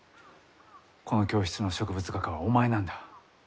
この教室の植物画家はお前なんだ。